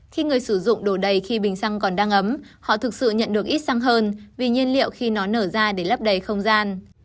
khi người sử dụng đổ đầy khi bình xăng còn đang ấm họ thực sự nhận được ít xăng hơn vì nhiên liệu khi nó nở ra để lấp đầy không gian